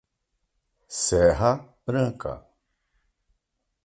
Serra Branca